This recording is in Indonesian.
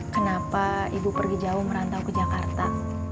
kenapa ibu pergi jauh merantau ke jakarta